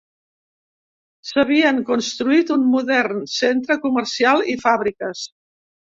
S'havien construït un modern centre comercial i fàbriques.